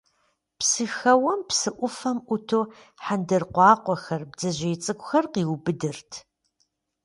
Псыхэуэм, псы ӏуфэм ӏуту, хьэндыркъуакъуэхэр, бдзэжьей цӏыкӏухэр къиубыдырт.